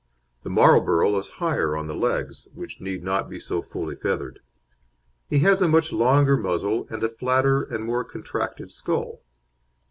The Marlborough is higher on the legs, which need not be so fully feathered. He has a much longer muzzle and a flatter and more contracted skull.